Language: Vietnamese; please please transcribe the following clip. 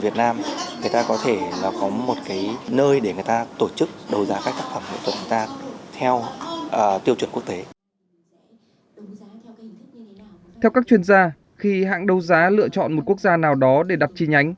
theo các chuyên gia khi hãng đấu giá lựa chọn một quốc gia nào đó để đặt chi nhánh